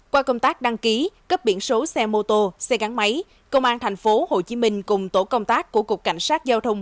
qua công tác đăng ký cấp biển số xe mô tô xe gắn máy công an thành phố hồ chí minh cùng tổ công tác của cục cảnh sát giao thông